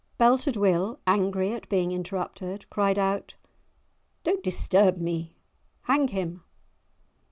Belted Will, angry at being interrupted, cried out:—"Don't disturb me; hang him!"